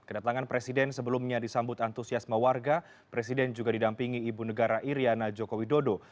kedatangan presiden sebelumnya disambut antusiasme warga presiden juga didampingi ibu negara iryana joko widodo